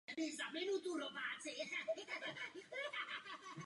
Proč asi?